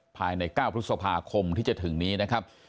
ภายใน๙พฤษภาคมที่จะถึงนี้นะครับ